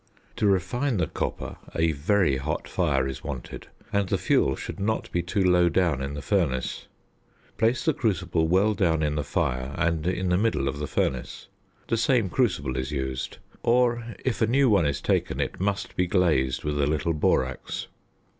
To refine the copper a very hot fire is wanted, and the fuel should not be too low down in the furnace. Place the crucible well down in the fire and in the middle of the furnace. The same crucible is used, or, if a new one is taken, it must be glazed with a little borax.